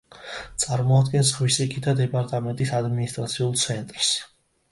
წარმოადგენს ზღვისიქითა დეპარტამენტის ადმინისტრაციულ ცენტრს.